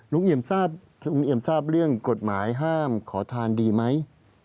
ลุงเหยียมทราบเรื่องกฎหมายห้ามขอทานดีไหม